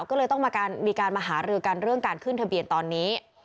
ก็เลยต้องมีการมาหารือกันเรื่องการขึ้นทะเบียนตอนนี้